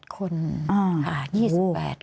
๒๘คนค่ะ